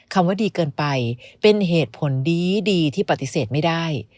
คำว่าดีเกินไปเป็นเหตุผลดีที่ปฏิเสธไม่ได้